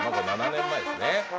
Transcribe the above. ７年前です。